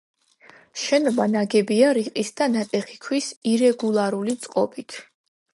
შენობა ნაგებია რიყის და ნატეხი ქვის ირეგულარული წყობით.